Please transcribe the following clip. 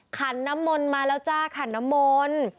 ขันน้ำมนต์มาแล้วจ้าขันน้ำมนต์